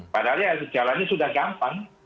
padahal ya jalannya sudah gampang